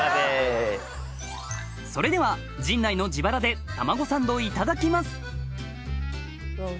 それでは陣内の自腹で玉子サンドいただきます